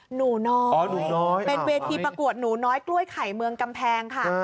หนูน้อยหนูน้อยเป็นเวทีประกวดหนูน้อยกล้วยไข่เมืองกำแพงค่ะ